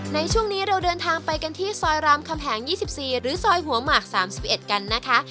ในช่วงนี้เราเดินทางไปกันที่ซอยรามคำแหง๒๔หรือซอยหัวหมาก๓๑กันนะคะ